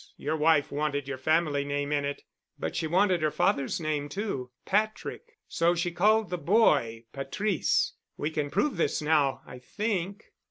Your wife wanted your family name in it—but she wanted her father's name too—Patrick—so she called the boy Patrice—we can prove this now, I think."